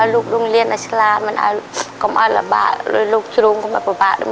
ลูกโรงเรียนอาชารามันอาละบะลูกสรุงก็มาประปะด้วยแม่